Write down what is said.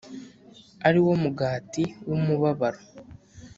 ari wo mugati w umubabaro